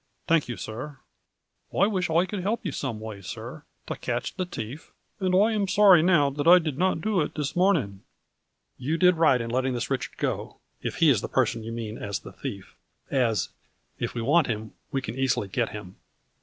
" Thank you, sir. I wish I could help you some way, sir, to catch the thief, and I am sorry now that I did not do it this morning." " You did right in letting this Richard go, if he is the person you mean as the thief, as, if we want him, we can easily get him."